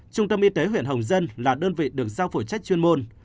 trung tâm y tế huyện hồng dân là đơn vị được giao phụ trách chuyên môn